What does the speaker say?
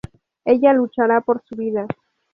Ella luchará por su vida.